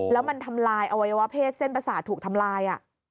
แล้วมันทำลายอวัยวะเพศเส้นประสาทถูกทำลาย